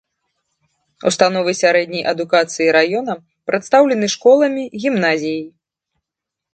Установы сярэдняй адукацыі раёна прадстаўлены школамі, гімназіяй.